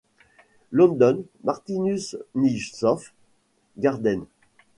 London: Martinus Nijhoff Garden.